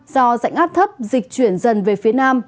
do dạnh áp thấp dịch chuyển dần về phía nam